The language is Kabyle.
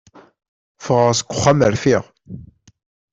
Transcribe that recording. Fɣeɣ seg uxxam rfiɣ.